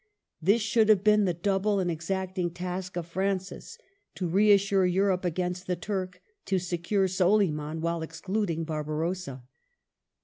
This should have been the double and exacting task of Francis : to reassure Europe against the Turk, to secure Soliman while excluding Barbarossa.